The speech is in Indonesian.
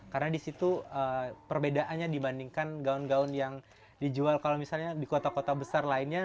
karena di situ perbedaannya dibandingkan gaun gaun yang dijual di kota kota besar lainnya